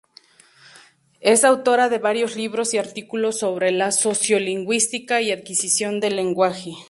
Es autora de varios libros y artículos sobre la sociolingüística y adquisición del lenguaje.